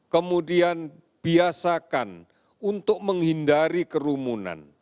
kemudian biasakan untuk menghindari kerumunan